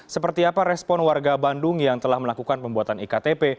seperti apa respon warga bandung yang telah melakukan pembuatan iktp